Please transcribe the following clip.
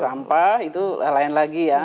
sampah itu lain lagi ya